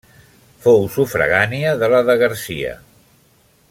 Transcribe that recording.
Fou sufragània de la de Garcia.